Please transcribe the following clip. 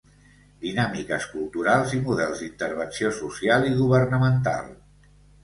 Dinàmiques culturals i models d'intervenció social i governamental.